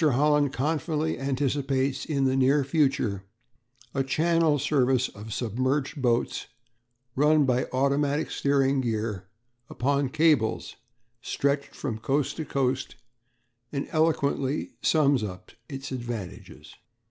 Holland confidently anticipates in the near future a Channel service of submerged boats run by automatic steering gear upon cables stretched from coast to coast, and eloquently sums up its advantages.